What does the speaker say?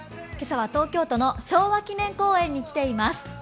今朝は東京都の昭和記念公園に来ています。